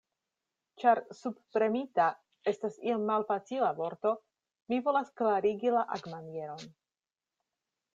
Ĉar 'subpremita' estas iom malfacila vorto, mi volas klarigi la agmanieron.